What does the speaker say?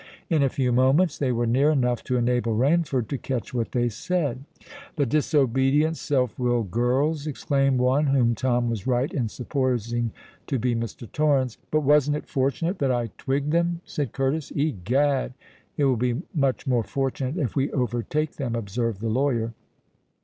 In a few moments they were near enough to enable Rainford to catch what they said. "The disobedient—self willed girls!" exclaimed one, whom Tom was right in supposing to be Mr. Torrens. "But wasn't it fortunate that I twigged them?" said Curtis. "Egad!——" "It will be much more fortunate if we overtake them," observed the lawyer.